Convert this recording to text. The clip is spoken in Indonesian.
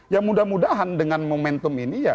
ya mudah mudahan dengan momentum ini ya